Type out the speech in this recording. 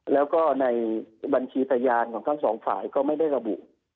แล้วก็ในบัญชีพยานของทั้งสองฝ่ายก็ไม่ได้ระบุ